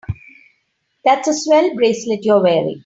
That's a swell bracelet you're wearing.